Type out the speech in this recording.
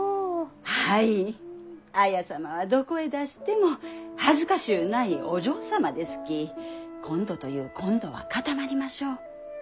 綾様はどこへ出しても恥ずかしゅうないお嬢様ですき今度という今度は固まりましょう。